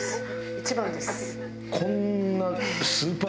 １番です。